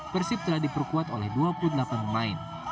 persib telah diperkuat oleh dua puluh delapan pemain